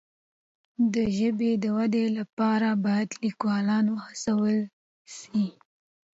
د ژبې د ودي لپاره باید لیکوالان وهڅول سي.